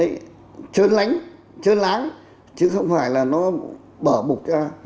vàng mà nó phải óng ánh trơn lánh trơn láng chứ không phải là nó bở bục ra